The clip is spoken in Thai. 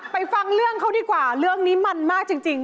ฟังเรื่องเขาดีกว่าเรื่องนี้มันมากจริง